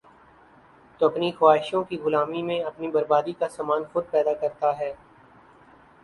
تو اپنی خواہشوں کی غلامی میں اپنی بربادی کا سامان خود پیدا کرتا ہے ۔